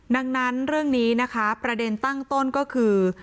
ดังนั้นเรื่องนี้นะคะประเด็นตั้งต้นก็คือ